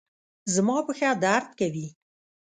زما پښه درد کوي